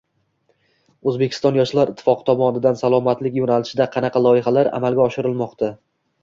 O‘zbekiston yoshlar ittifoqi tomonidan Salomatlik yo‘nalishida qanaqa loyihalar amalga oshirilmoqda?